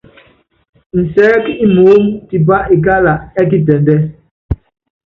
Nsɛɛ́k imoóní tipá ikála ɛ́ kitɛndɛ́.